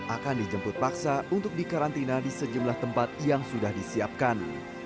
akan dijemput paksa untuk dikarantina di sejumlah tempat yang sudah disiapkan